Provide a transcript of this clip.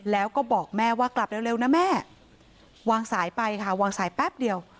แล้วก็บอกแม่ว่ากลับเร็วนะแม่วางสายไปค่ะวางสายแป๊บเดียว